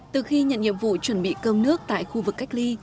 từ khi nhận nhiệm vụ chuẩn bị cơm nước tại khu vực cách ly